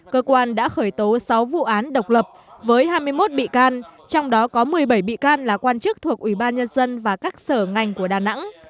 cơ quan đã khởi tố sáu vụ án độc lập với hai mươi một bị can trong đó có một mươi bảy bị can là quan chức thuộc ủy ban nhân dân và các sở ngành của đà nẵng